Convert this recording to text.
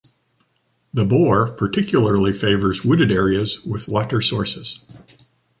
The boar particularly favors wooded areas with water sources.